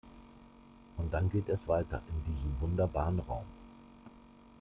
Und dann geht es weiter in diesem wunderbaren Raum.